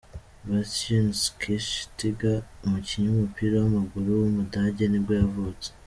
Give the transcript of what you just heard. Bastian Schweinsteiger, umukinnyi w’umupira w’amaguru w’umudage nibwo yavutse.